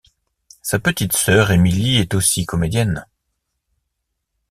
Sa petite sœur, Emily, est aussi comédienne.